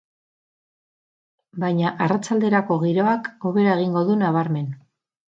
Baina arratsalderako giroak hobera egingo du nabarmen.